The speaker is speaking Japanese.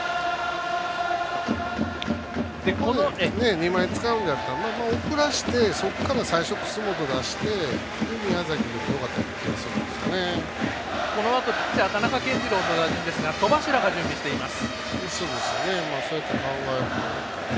２枚使うんだったら送らせて、そこから最初楠本を出して宮崎でもよかったようなこのあと、ピッチャー田中健二朗の打順ですが戸柱が準備しています。